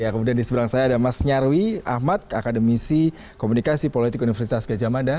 kemudian di sebelah saya ada mas nyarwi ahmad akademisi komunikasi politik universitas kejamada